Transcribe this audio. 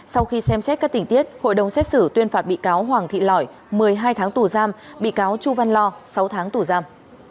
sau khi xem xét các tình tiết hội đồng xét xử tuyên phạt bị cáo hoàng thị lỏi một mươi hai tháng tù giam bị cáo chu văn lo sáu tháng tù giam